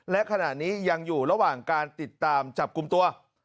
และขณะนี้ยังอยู่ระหว่างการติดตามจับกลุ่มตัว